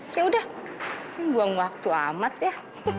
kayak udah buang waktu amat ya